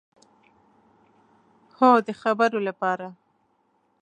هو، د خبرو لپاره